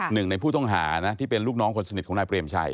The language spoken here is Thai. หนึ่งในผู้ต้องหานะที่เป็นลูกน้องคนสนิทของนายเปรมชัย